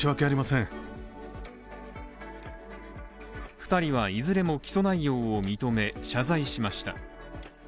２人はいずれも起訴内容を認め、謝罪しました。